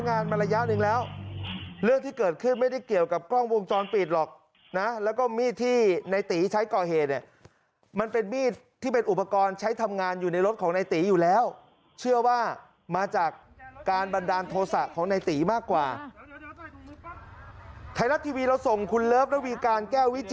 เพราะว่าเหยียบไม่ได้ว่าแบบว่าเป็นมีดหรือไม่ได้ว่าเป็นมีดหรือไม่ได้ว่าเป็นมีดหรือไม่ได้ว่าเป็นมีดหรือไม่ได้ว่าเป็นมีดหรือไม่ได้ว่าเป็นมีดหรือไม่ได้ว่าเป็นมีดหรือไม่ได้ว่าเป็นมีดหรือไม่ได้ว่าเป็นมีดหรือไม่ได้ว่าเป็นมีดหรือไม่ได้ว่าเป็นมีดหรือไม่ได้ว่าเป็นมีดหร